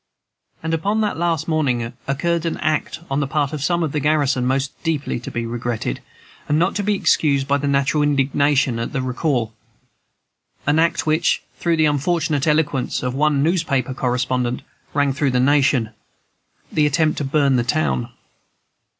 And upon that last morning occurred an act on the part of some of the garrison most deeply to be regretted, and not to be excused by the natural indignation at their recall, an act which, through the unfortunate eloquence of one newspaper correspondent, rang through the nation, the attempt to burn the town.